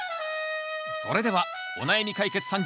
それではお悩み解決三